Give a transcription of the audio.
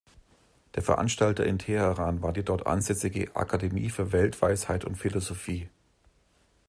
Der Veranstalter in Teheran war die dort ansässige "Akademie für Weltweisheit und Philosophie".